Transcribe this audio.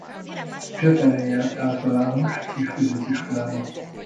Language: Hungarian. Csepelen járt általános és középiskolába.